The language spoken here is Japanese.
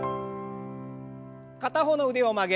片方の腕を曲げ